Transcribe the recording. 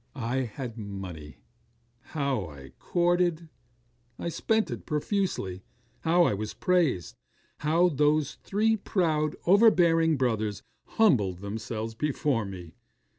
'I had money. How I was courted! I spent it profusely. How I was praised! How those three proud, overbearing brothers humbled themselves before me!